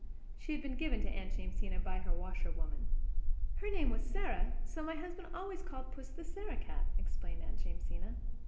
She had been given to Aunt Jamesina by her washerwoman. "Her name was Sarah, so my husband always called puss the Sarah cat," explained Aunt Jamesina.